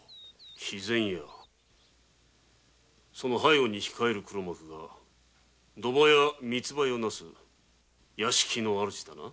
肥前屋かその背後に控える黒幕が賭場や密売をなす屋敷の主だな。